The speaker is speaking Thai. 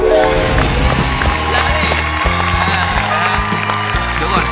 กิเลนพยองครับ